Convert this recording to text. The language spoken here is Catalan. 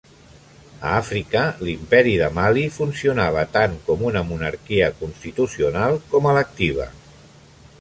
A Àfrica, l'Imperi de Mali funcionava tant com una monarquia constitucional com electiva.